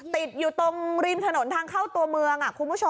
ติดอยู่ตรงริมถนนทางเข้าตัวเมือง